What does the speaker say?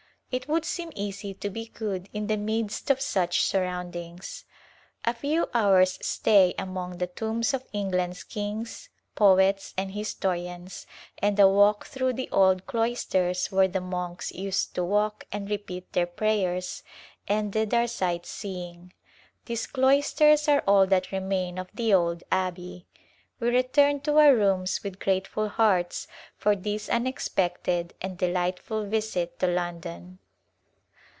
It would seem easy to be good in the midst of such surroundings. A few hours' stay among the tombs of England's kings, poets and historians, and a walk through the old cloisters where the monks used to walk and repeat their prayers, ended our sight seeing. These cloisters are all that remain of the old Abbey. We returned to our rooms with grateful hearts for this unexpected and delightful visit to Lon don.